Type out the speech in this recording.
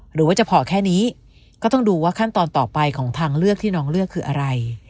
หรือว่าจะพอแค่นี้ก็ต้องดูว่าขั้นตอนต่อไปของทางเลือกที่น้องเลือกคืออะไร